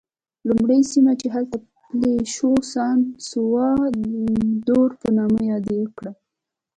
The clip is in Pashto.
لومړی سیمه چې هلته پلی شو سان سولوا دور په نامه یاد کړه.